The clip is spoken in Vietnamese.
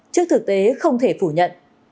trước thực tế không thể phủ nhận